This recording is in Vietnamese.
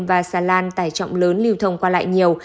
và xà lan tải trọng lớn lưu thông qua lại nhiều